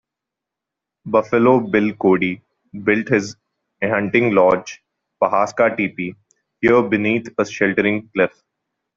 Buffalo Bill Cody built his hunting lodge, Pahaska Teepee, here beneath a sheltering cliff.